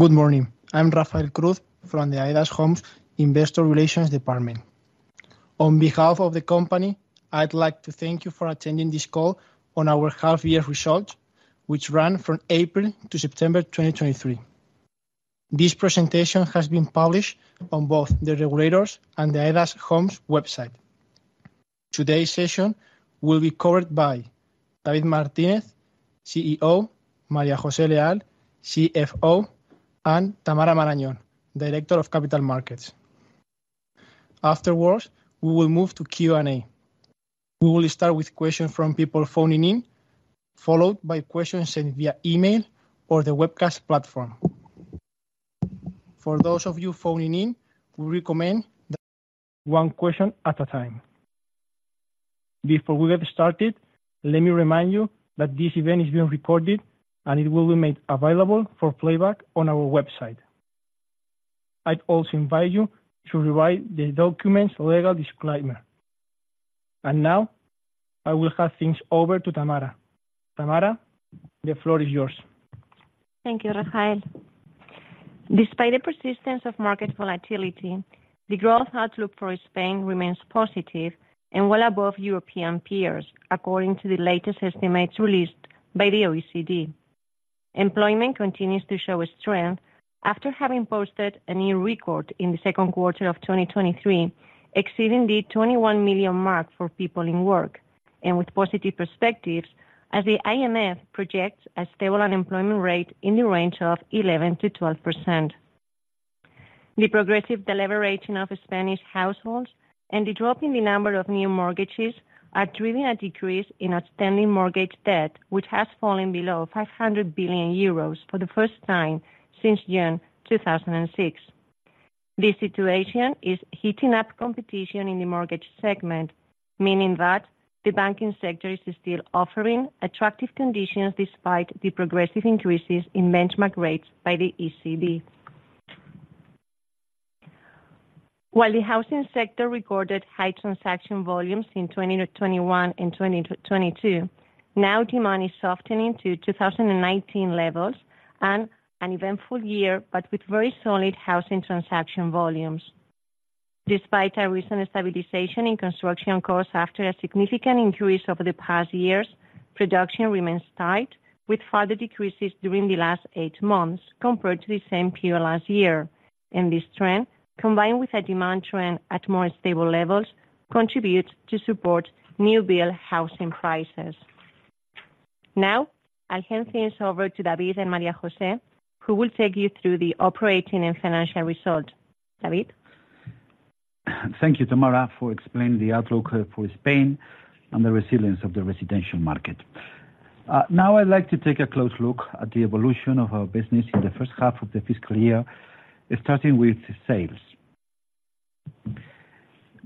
Good morning. I'm Rafael Cruz from the AEDAS Homes Investor Relations department. On behalf of the company, I'd like to thank you for attending this call on our half year results, which run from April to September 2023. This presentation has been published on both the regulators and the AEDAS Homes website. Today's session will be covered by David Martínez, CEO, María José Leal, CFO, and Tamara Marañón, Director of Capital Markets. Afterwards, we will move to Q&A. We will start with questions from people phoning in, followed by questions sent via email or the webcast platform. For those of you phoning in, we recommend one question at a time. Before we get started, let me remind you that this event is being recorded, and it will be made available for playback on our website. I'd also invite you to rewrite the document's legal disclaimer. Now, I will hand things over to Tamara. Tamara, the floor is yours. Thank you, Rafael. Despite the persistence of market volatility, the growth outlook for Spain remains positive and well above European peers, according to the latest estimates released by the OECD. Employment continues to show strength after having posted a new record in the second quarter of 2023, exceeding the 21 million mark for people in work, and with positive perspectives, as the IMF projects a stable unemployment rate in the range of 11%-12%. The progressive deleveraging of Spanish households and the drop in the number of new mortgages are driving a decrease in outstanding mortgage debt, which has fallen below 500 billion euros for the first time since June 2006. This situation is heating up competition in the mortgage segment, meaning that the banking sector is still offering attractive conditions despite the progressive increases in benchmark rates by the ECB. While the housing sector recorded high transaction volumes in 2021 and 2022, now demand is softening to 2019 levels and an eventful year, but with very solid housing transaction volumes. Despite a recent stabilization in construction costs after a significant increase over the past years, production remains tight, with further decreases during the last eight months compared to the same period last year. And this trend, combined with a demand trend at more stable levels, contributes to support new build housing prices. Now, I'll hand things over to David and María José, who will take you through the operating and financial results. David? Thank you, Tamara, for explaining the outlook for Spain and the resilience of the residential market. Now I'd like to take a close look at the evolution of our business in the first half of the fiscal year, starting with sales.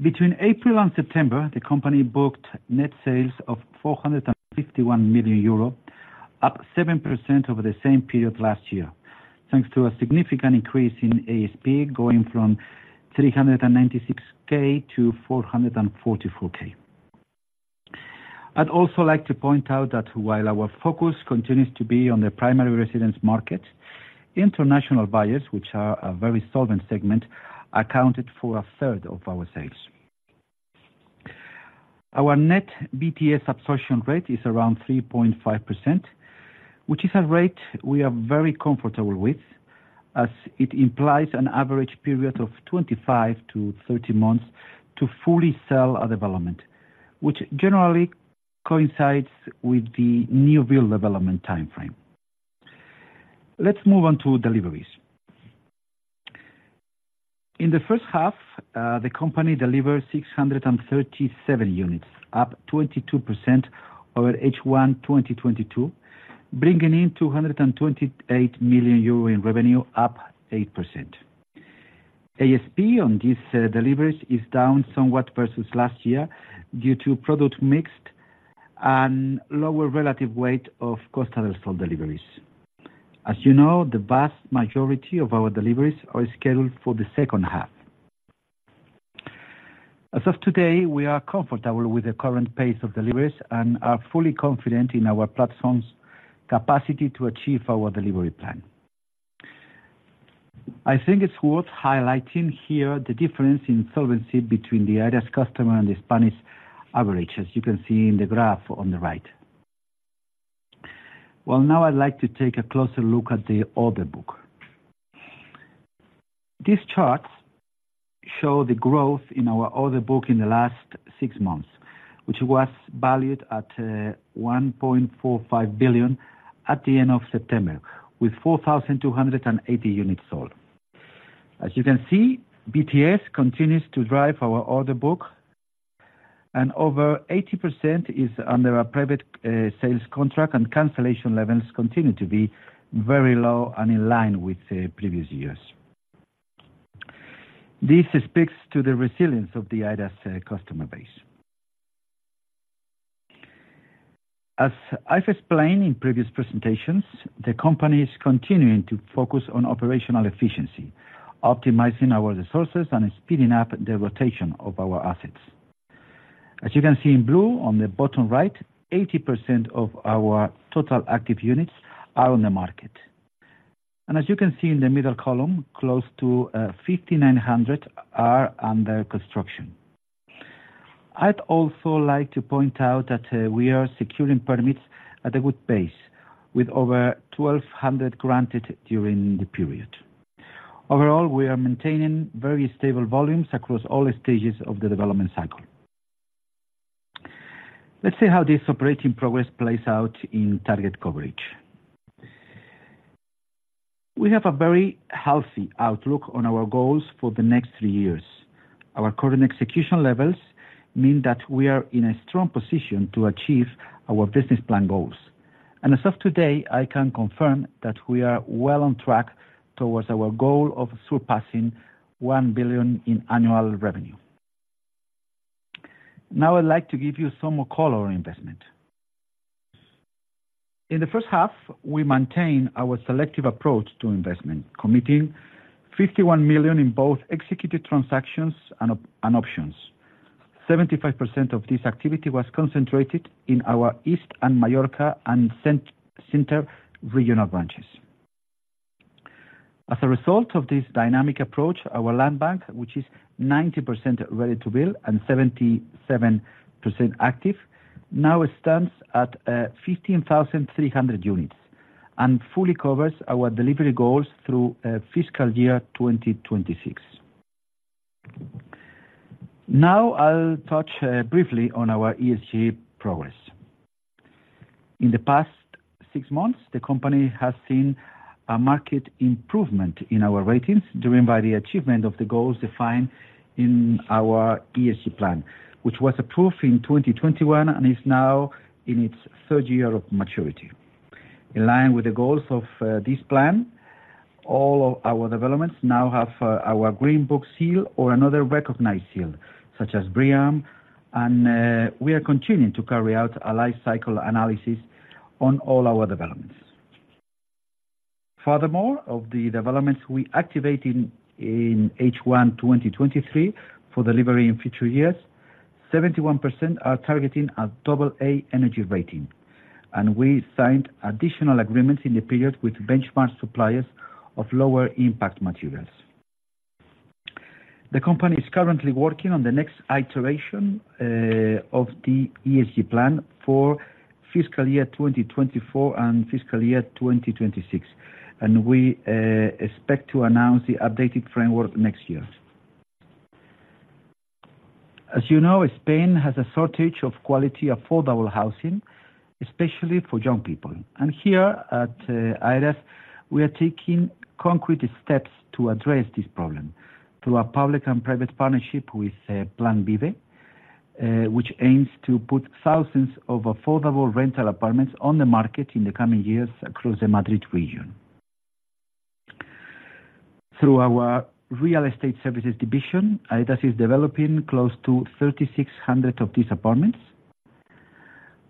Between April and September, the company booked net sales of 451 million euro, up 7% over the same period last year, thanks to a significant increase in ASP, going from 396,000 to 444,000. I'd also like to point out that while our focus continues to be on the primary residence market, international buyers, which are a very solvent segment, accounted for 1/3 of our sales. Our net BTS absorption rate is around 3.5%, which is a rate we are very comfortable with, as it implies an average period of 25-30 months to fully sell a development, which generally coincides with the new build development timeframe. Let's move on to deliveries. In the first half, the company delivered 637 units, up 22% over H1 2022, bringing in 228 million euro in revenue, up 8%. ASP on these deliveries is down somewhat versus last year due to product mix and lower relative weight of customer sold deliveries. As you know, the vast majority of our deliveries are scheduled for the second half. As of today, we are comfortable with the current pace of deliveries and are fully confident in our platform's capacity to achieve our delivery plan. I think it's worth highlighting here the difference in solvency between the AEDAS customer and the Spanish average, as you can see in the graph on the right. Well, now I'd like to take a closer look at the order book. These charts show the growth in our order book in the last six months, which was valued at 1.45 billion at the end of September, with 4,280 units sold. As you can see, BTS continues to drive our order book, and over 80% is under a private sales contract, and cancellation levels continue to be very low and in line with previous years. This speaks to the resilience of the AEDAS customer base. As I've explained in previous presentations, the company is continuing to focus on operational efficiency, optimizing our resources, and speeding up the rotation of our assets. As you can see in blue, on the bottom right, 80% of our total active units are on the market. As you can see in the middle column, close to 5,900 are under construction. I'd also like to point out that we are securing permits at a good pace, with over 1,200 granted during the period. Overall, we are maintaining very stable volumes across all stages of the development cycle. Let's see how this operating progress plays out in target coverage. We have a very healthy outlook on our goals for the next three years. Our current execution levels mean that we are in a strong position to achieve our business plan goals. As of today, I can confirm that we are well on track towards our goal of surpassing 1 billion in annual revenue. Now, I'd like to give you some more color on investment. In the first half, we maintained our selective approach to investment, committing 51 million in both executed transactions and options. 75% of this activity was concentrated in our East, Mallorca, and Center regional branches. As a result of this dynamic approach, our land bank, which is 90% ready-to-build and 77% active, now stands at 15,300 units, and fully covers our delivery goals through fiscal year 2026. Now, I'll touch briefly on our ESG progress. In the past six months, the company has seen a market improvement in our ratings, driven by the achievement of the goals defined in our ESG plan, which was approved in 2021 and is now in its third year of maturity. In line with the goals of this plan, all of our developments now have our Green Book seal or another recognized seal, such as BREEAM, and we are continuing to carry out a life cycle analysis on all our developments. Furthermore, of the developments we activate in H1 2023, for delivery in future years, 71% are targeting a Double A energy rating, and we signed additional agreements in the period with benchmark suppliers of lower impact materials. The company is currently working on the next iteration of the ESG plan for fiscal year 2024 and fiscal year 2026, and we expect to announce the updated framework next year. As you know, Spain has a shortage of quality, affordable housing, especially for young people. Here at AEDAS, we are taking concrete steps to address this problem through our public and private partnership with Plan VIVE, which aims to put thousands of affordable rental apartments on the market in the coming years across the Madrid region. Through our real estate services division, AEDAS is developing close to 3,600 of these apartments.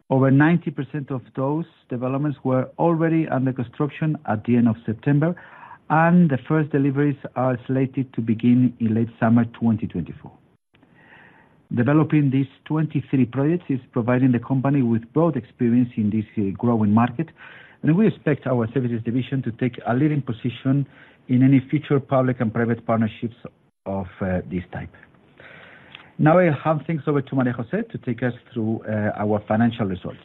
Over 90% of those developments were already under construction at the end of September, and the first deliveries are slated to begin in late summer 2024. Developing these 23 projects is providing the company with broad experience in this, growing market, and we expect our services division to take a leading position in any future public and private partnerships of, this type. Now, I'll hand things over to María José to take us through our financial results.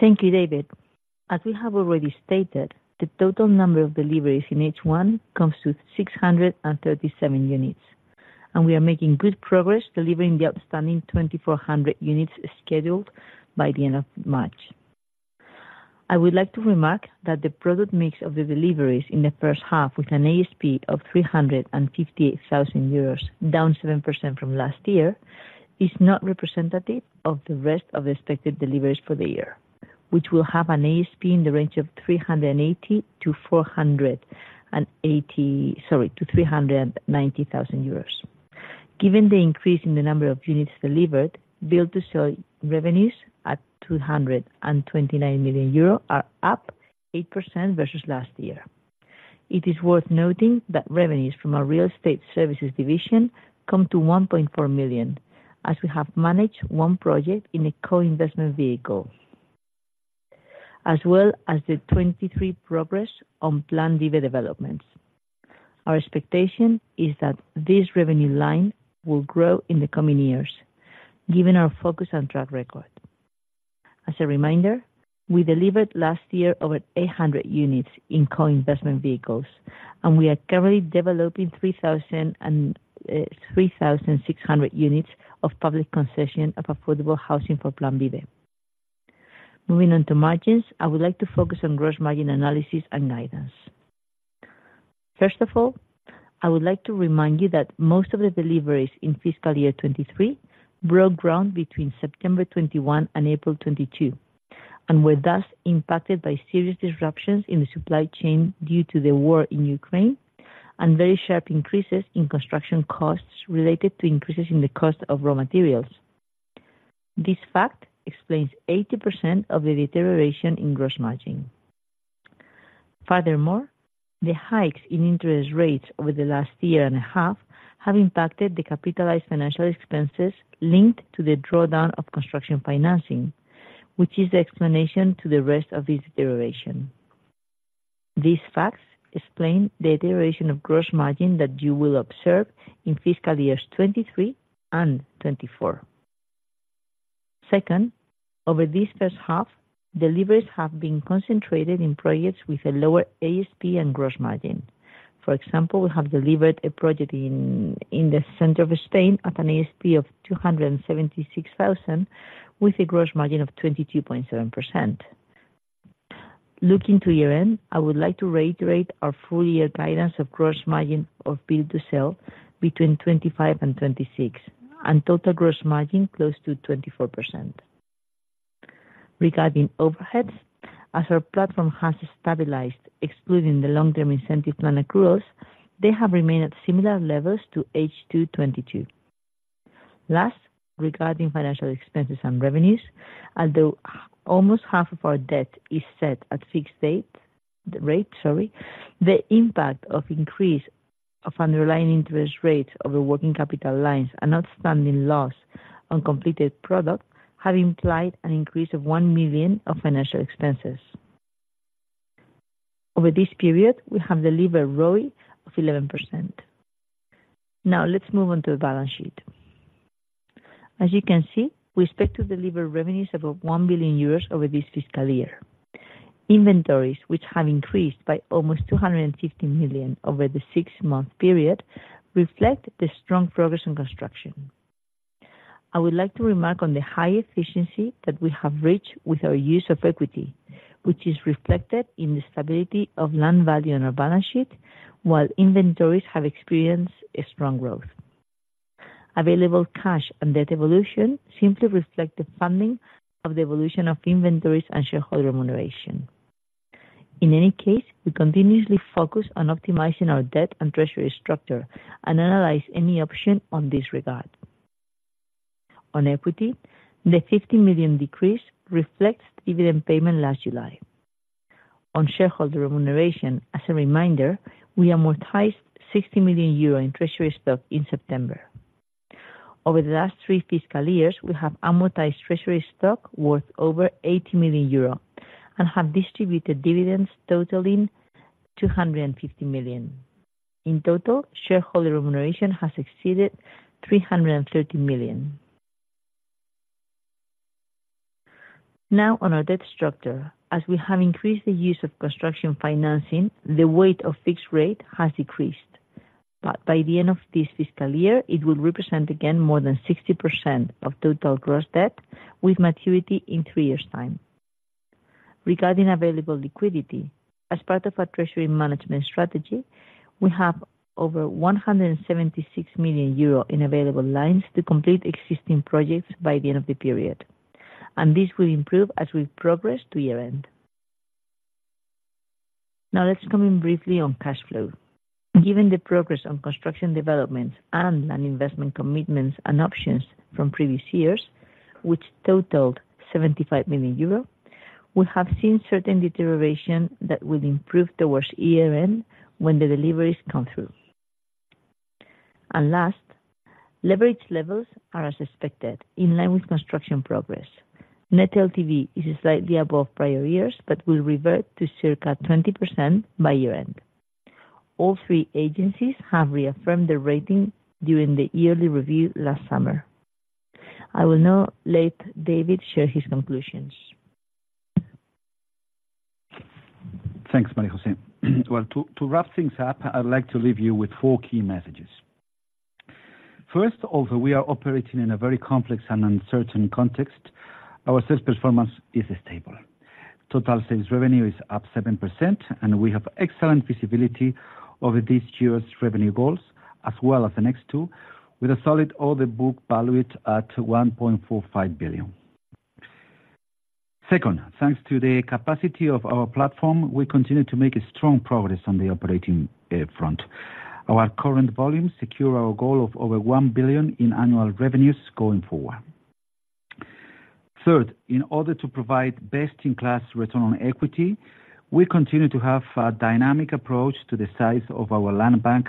Thank you, David. As we have already stated, the total number of deliveries in H1 comes to 637 units, and we are making good progress delivering the outstanding 2,400 units scheduled by the end of March. I would like to remark that the product mix of the deliveries in the first half, with an ASP of 358,000 euros, down 7% from last year, is not representative of the rest of the expected deliveries for the year, which will have an ASP in the range of 380,000-390,000 euros. Given the increase in the number of units delivered, build-to-sell revenues at 229 million euro are up 8% versus last year. It is worth noting that revenues from our Real Estate Services division come to 1.4 million, as we have managed one project in a co-investment vehicle, as well as the 23 progress on Plan VIVE developments. Our expectation is that this revenue line will grow in the coming years, given our focus and track record. As a reminder, we delivered last year over 800 units in co-investment vehicles, and we are currently developing 3,600 units of public concession of affordable housing for Plan VIVE. Moving on to margins, I would like to focus on gross margin analysis and guidance. First of all, I would like to remind you that most of the deliveries in fiscal year 2023 broke ground between September 2021 and April 2022, and were thus impacted by serious disruptions in the supply chain due to the war in Ukraine, and very sharp increases in construction costs related to increases in the cost of raw materials. This fact explains 80% of the deterioration in gross margin. Furthermore, the hikes in interest rates over the last year and a half have impacted the capitalized financial expenses linked to the drawdown of construction financing, which is the explanation to the rest of this deterioration. These facts explain the deterioration of gross margin that you will observe in fiscal years 2023 and 2024. Second, over this first half, deliveries have been concentrated in projects with a lower ASP and gross margin. For example, we have delivered a project in the center of Spain at an ASP of 276,000, with a gross margin of 22.7%. Looking to year-end, I would like to reiterate our full year guidance of gross margin of BTS between 25% and 26%, and total gross margin close to 24%. Regarding overheads, as our platform has stabilized, excluding the long-term incentive plan accruals, they have remained at similar levels to H2 2022. Last, regarding financial expenses and revenues, although almost half of our debt is set at fixed rate, sorry, the impact of increase of underlying interest rates over working capital lines and outstanding loans on completed product have implied an increase of 1 million of financial expenses. Over this period, we have delivered ROE of 11%. Now, let's move on to the balance sheet. As you can see, we expect to deliver revenues above 1 billion euros over this fiscal year. Inventories, which have increased by almost 250 million over the six-month period, reflect the strong progress in construction. I would like to remark on the high efficiency that we have reached with our use of equity, which is reflected in the stability of land value on our balance sheet, while inventories have experienced a strong growth. Available cash and debt evolution simply reflect the funding of the evolution of inventories and shareholder remuneration. In any case, we continuously focus on optimizing our debt and treasury structure and analyze any option on this regard. On equity, the 50 million decrease reflects dividend payment last July. On shareholder remuneration, as a reminder, we amortized 60 million euro in treasury stock in September. Over the last three fiscal years, we have amortized treasury stock worth over 80 million euro and have distributed dividends totaling 250 million. In total, shareholder remuneration has exceeded 330 million. Now, on our debt structure. As we have increased the use of construction financing, the weight of fixed rate has decreased, but by the end of this fiscal year, it will represent again more than 60% of total gross debt, with maturity in three years' time. Regarding available liquidity, as part of our treasury management strategy, we have over 176 million euro in available lines to complete existing projects by the end of the period, and this will improve as we progress to year-end. Now, let's comment briefly on cash flow. Given the progress on construction developments and land investment commitments and options from previous years, which totaled 75 million euros, we have seen certain deterioration that will improve towards year-end, when the deliveries come through. Last, leverage levels are as expected, in line with construction progress. Net LTV is slightly above prior years, but will revert to circa 20% by year-end. All three agencies have reaffirmed their rating during the yearly review last summer. I will now let David share his conclusions. Thanks, María José. Well, to wrap things up, I'd like to leave you with four key messages. First, although we are operating in a very complex and uncertain context, our sales performance is stable. Total sales revenue is up 7%, and we have excellent visibility over this year's revenue goals, as well as the next two, with a solid order book valued at 1.45 billion. Second, thanks to the capacity of our platform, we continue to make strong progress on the operating front. Our current volumes secure our goal of over 1 billion in annual revenues going forward. Third, in order to provide best-in-class return on equity, we continue to have a dynamic approach to the size of our land bank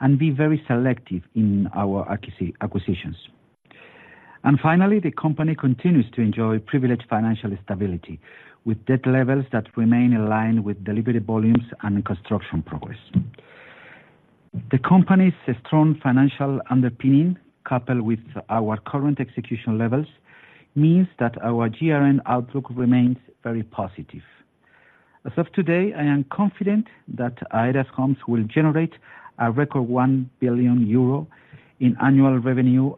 and be very selective in our acquisitions. Finally, the company continues to enjoy privileged financial stability, with debt levels that remain in line with delivery volumes and construction progress. The company's strong financial underpinning, coupled with our current execution levels, means that our GRN outlook remains very positive. As of today, I am confident that AEDAS Homes will generate a record 1 billion euro in annual revenue,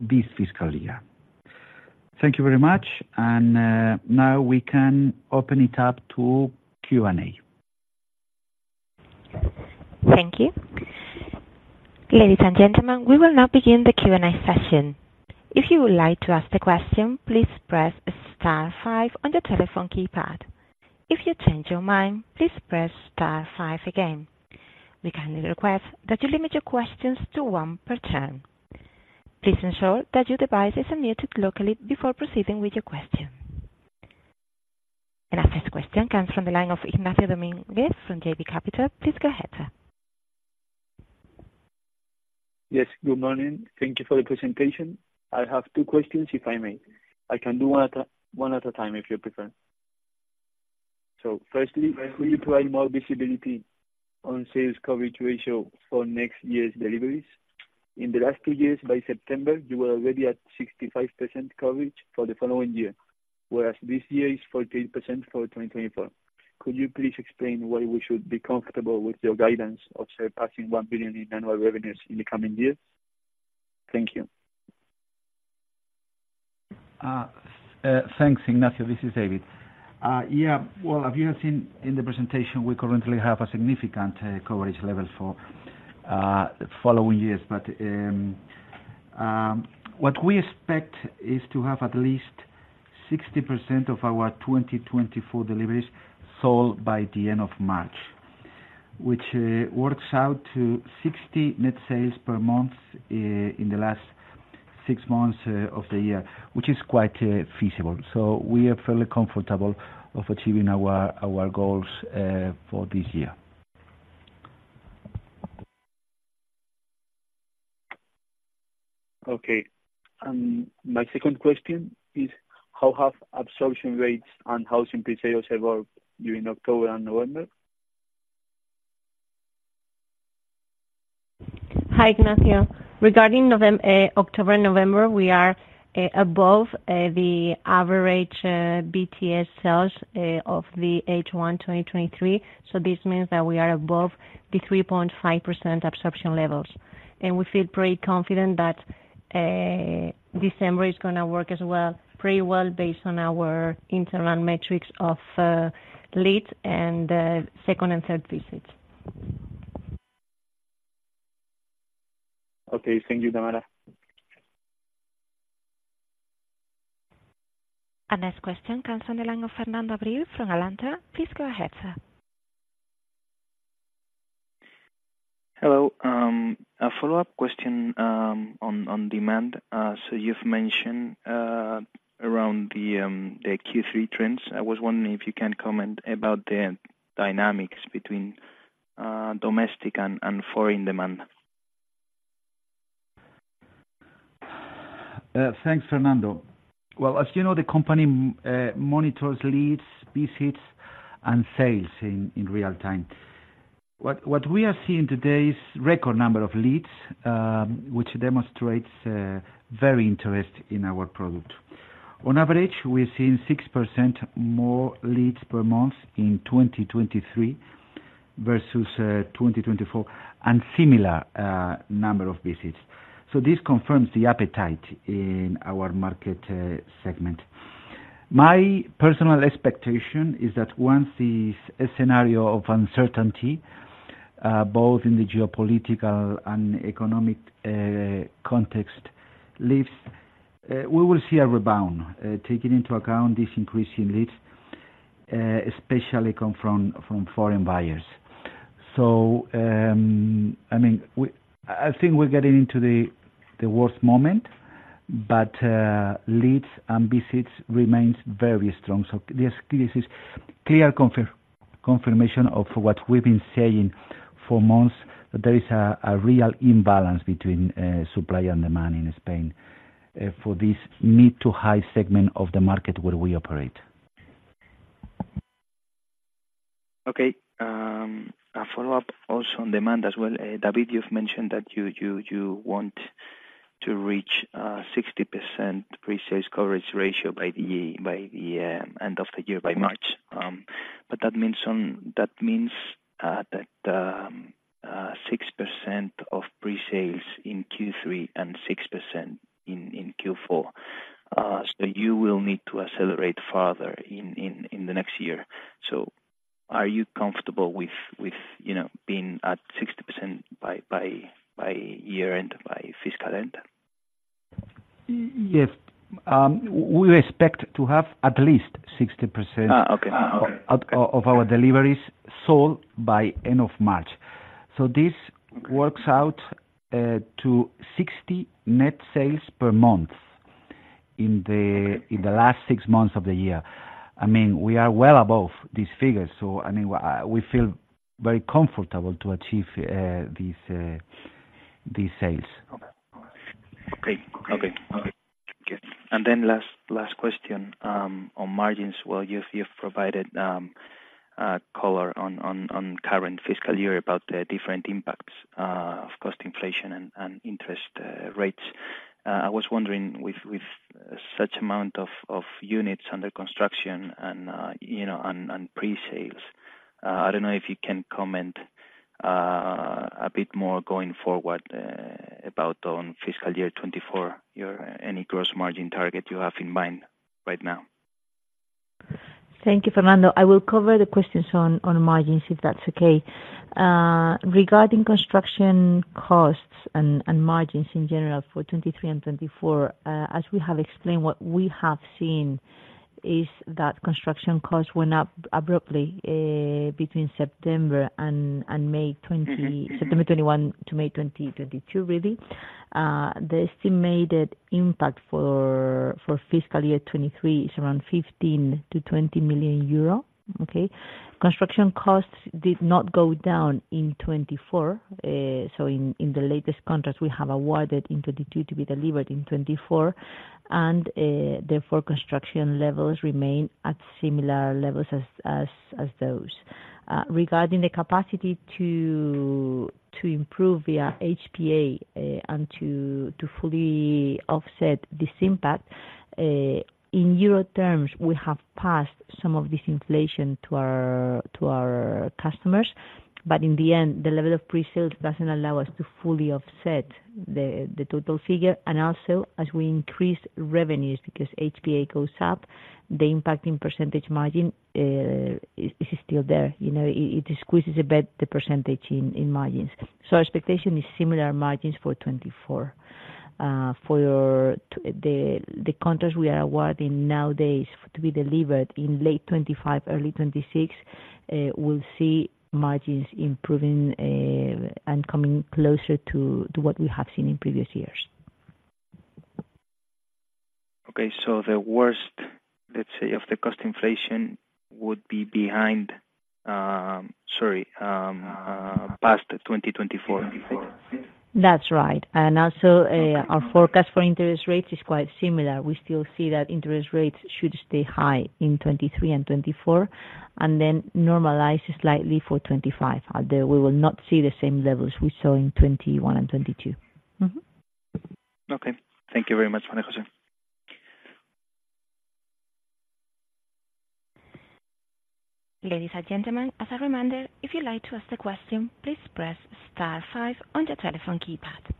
this fiscal year. Thank you very much, and now we can open it up to Q&A. Thank you. Ladies and gentlemen, we will now begin the Q&A session. If you would like to ask a question, please press star five on your telephone keypad. If you change your mind, please press star five again. We kindly request that you limit your questions to one per turn... Please ensure that your devices are muted locally before proceeding with your question. Our first question comes from the line of Ignacio Domínguez from JB Capital. Please go ahead, sir. Yes, good morning. Thank you for the presentation. I have two questions, if I may. I can do one at a time, if you prefer. So firstly, can you provide more visibility on sales coverage ratio for next year's deliveries? In the last two years, by September, you were already at 65% coverage for the following year, whereas this year is 14% for 2024. Could you please explain why we should be comfortable with your guidance of surpassing 1 billion in annual revenues in the coming years? Thank you. Thanks, Ignacio. This is David. Yeah, well, as you have seen in the presentation, we currently have a significant coverage level for the following years. But what we expect is to have at least 60% of our 2024 deliveries sold by the end of March, which works out to 60 net sales per month in the last six months of the year, which is quite feasible. So we are fairly comfortable of achieving our goals for this year. Okay. My second question is: How have absorption rates and housing pre-sales evolved during October and November? Hi, Ignacio. Regarding October, November, we are above the average BTS sales of the H1 2023, so this means that we are above the 3.5% absorption levels. And we feel pretty confident that December is going to work as well, pretty well, based on our internal metrics of leads and second and third visits. Okay, thank you, Tamara. Our next question comes on the line of Fernando Abril from Alantra. Please go ahead, sir. Hello. A follow-up question on demand. So you've mentioned around the Q3 trends. I was wondering if you can comment about the dynamics between domestic and foreign demand? Thanks, Fernando. Well, as you know, the company monitors leads, visits, and sales in real time. What we are seeing today is record number of leads, which demonstrates great interest in our product. On average, we're seeing 6% more leads per month in 2023 versus 2024, and similar number of visits. So this confirms the appetite in our market segment. My personal expectation is that once this scenario of uncertainty, both in the geopolitical and economic context lifts, we will see a rebound, taking into account these increasing leads, especially come from foreign buyers. So, I mean, I think we're getting into the worst moment, but leads and visits remains very strong. So this is clear confirmation of what we've been saying for months, that there is a real imbalance between supply and demand in Spain, for this mid to high segment of the market where we operate. Okay. A follow-up also on demand as well. David, you've mentioned that you want to reach 60% pre-sales coverage ratio by the end of the year, by March. But that means that 6% of pre-sales in Q3 and 6% in Q4. So you will need to accelerate farther in the next year. So are you comfortable with, you know, being at 60% by year end, by fiscal end? Yes, we expect to have at least 60%- Ah, okay. Of our deliveries sold by end of March. So this works out to 60 net sales per month in the last six months of the year. I mean, we are well above these figures, so, I mean, we feel very comfortable to achieve these sales. Okay. Okay. Okay, good. And then last question on margins. Well, you've provided color on current fiscal year about the different impacts of cost inflation and interest rates. I was wondering, with such amount of units under construction and, you know, and pre-sales, I don't know if you can comment a bit more going forward about on fiscal year 2024, your any gross margin target you have in mind right now? Thank you, Fernando. I will cover the questions on margins, if that's okay. Regarding construction costs and margins in general for 2023 and 2024, as we have explained, what we have seen- ... is that construction costs went up abruptly between September 2021 and May 2022, really. The estimated impact for fiscal year 2023 is around 15 million-20 million euro. Okay? Construction costs did not go down in 2024, so in the latest contracts we have awarded in 2022 to be delivered in 2024, and therefore, construction levels remain at similar levels as those. Regarding the capacity to improve via HPA and to fully offset this impact in euro terms, we have passed some of this inflation to our customers, but in the end, the level of pre-sale doesn't allow us to fully offset the total figure. Also, as we increase revenues, because HPA goes up, the impact in percentage margin is still there. You know, it squeezes a bit the percentage in margins. So expectation is similar margins for 2024. For the contracts we are awarding nowadays to be delivered in late 2025, early 2026, we'll see margins improving, and coming closer to what we have seen in previous years. Okay. So the worst, let's say, of the cost inflation would be behind, past 2024? That's right. Also, our forecast for interest rates is quite similar. We still see that interest rates should stay high in 2023 and 2024, and then normalize slightly for 2025, although we will not see the same levels we saw in 2021 and 2022. Mm-hmm. Okay. Thank you very much, María José. Ladies and gentlemen, as a reminder, if you'd like to ask a question, please press star five on your telephone keypad.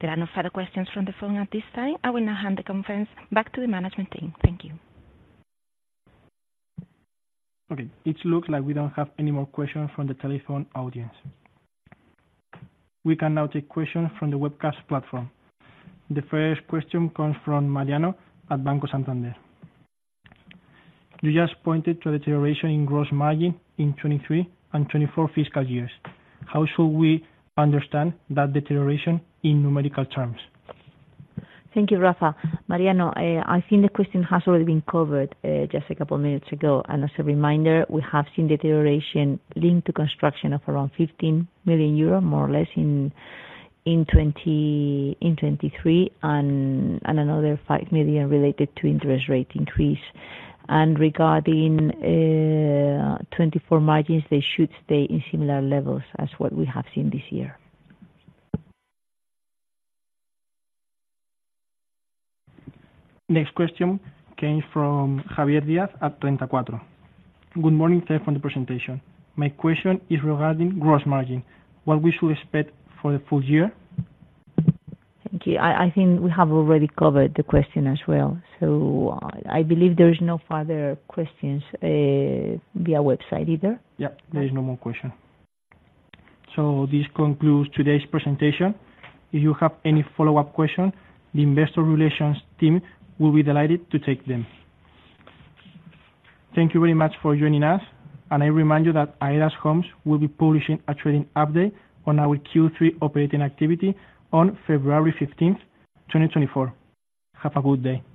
There are no further questions from the phone at this time. I will now hand the conference back to the management team. Thank you. Okay. It looks like we don't have any more questions from the telephone audience. We can now take questions from the webcast platform. The first question comes from Mariano at Banco Santander. You just pointed to a deterioration in gross margin in 2023 and 2024 fiscal years. How should we understand that deterioration in numerical terms? Thank you, Rafa. Mariano, I think the question has already been covered just a couple of minutes ago. And as a reminder, we have seen deterioration linked to construction of around 15 million euros, more or less, in 2023, and another 5 million related to interest rate increase. And regarding 2024 margins, they should stay in similar levels as what we have seen this year. Next question comes from Javier Díaz at Renta 4. Good morning, thanks for the presentation. My question is regarding gross margin. What we should expect for the full year? Thank you. I think we have already covered the question as well. So I believe there is no further questions via website either? Yeah, there is no more question. So this concludes today's presentation. If you have any follow-up questions, the investor relations team will be delighted to take them. Thank you very much for joining us, and I remind you that AEDAS Homes will be publishing a trading update on our Q3 operating activity on February 15th, 2024. Have a good day.